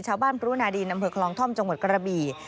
พรุนาดีนอำเภอคลองท่อมจังหวัดกระบี่